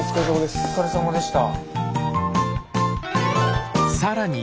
お疲れさまでした。